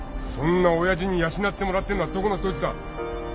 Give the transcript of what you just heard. そんな親父に養ってもらってんのはどこのどいつだ。